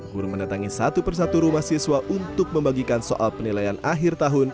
guru mendatangi satu persatu rumah siswa untuk membagikan soal penilaian akhir tahun